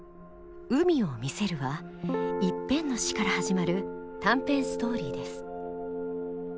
「海を見せる」は一編の詩から始まる短編ストーリーです。